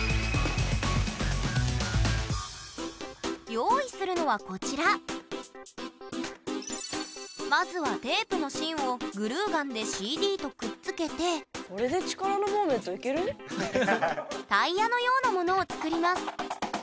用意するのはこちらまずはテープの芯をグルーガンでＣＤとくっつけてタイヤのようなものを作ります。